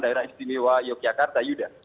daerah istimewa jogja kata yuda